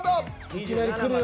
いきなりくるよ。